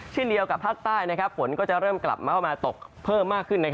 เช่นเดียวกับภาคใต้ฝนก็จะเริ่มกลับมาเข้ามาตกเพิ่มมากขึ้น